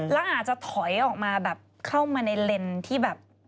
แล้วอาจจะถอยออกมาแบบเข้ามาในเลนส์ที่แบบ